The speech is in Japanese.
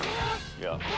いや。